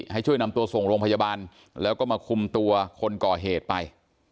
ให้ช่วยนำตัวส่งโรงพยาบาลแล้วก็มาคุมตัวคนก่อเหตุไป